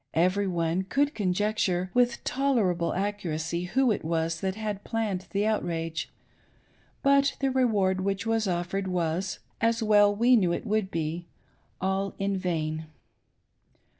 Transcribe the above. Every one could conjec ture with tolerable accuracy who it was that had planned the outrage, but the reward which was offered was, as we well 5^4 THE RESULT OF TABERNACLE TEACHINGS. knew it would be, all in vain.